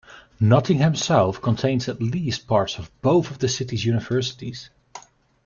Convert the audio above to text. Nottingham South contains at least parts of both of the city's universities.